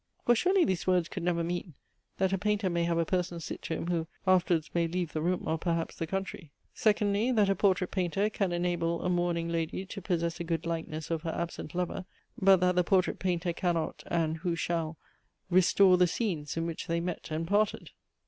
For surely these words could never mean, that a painter may have a person sit to him who afterwards may leave the room or perhaps the country? Secondly, that a portrait painter can enable a mourning lady to possess a good likeness of her absent lover, but that the portrait painter cannot, and who shall "Restore the scenes in which they met and parted?"